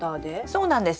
そうなんです。